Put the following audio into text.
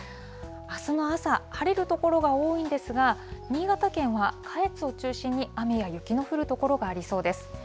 あすの朝、晴れる所が多いんですが、新潟県は下越を中心に雨や雪の降る所がありそうです。